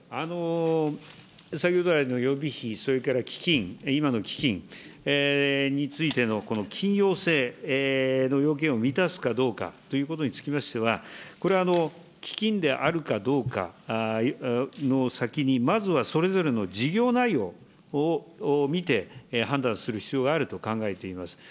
先ほど来の予備費、それから基金、今の基金についての緊要性の要件を満たすかどうかということにつきましては、これは基金であるかどうかの先に、まずはそれぞれの事業内容を見て判断する必要があると考えています。